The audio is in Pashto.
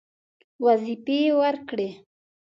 وظیفې ورکړې.